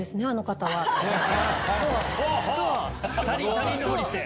他人のふりして。